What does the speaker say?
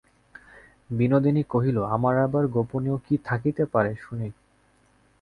বিনোদিনী কহিল, আমার আবার গোপনীয় কী থাকিতে পারে, শুনি।